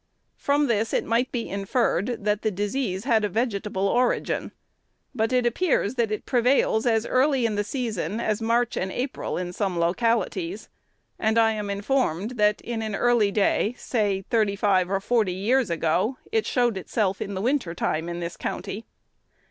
From this it might be inferred that the disease had a vegetable origin. But it appears that it prevails as early in the season as March and April in some localities; and I am informed that, in an early day, say thirty five or forty years ago, it showed itself in the winter time in this county.